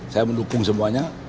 saya mendukung semuanya